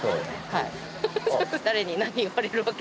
はい。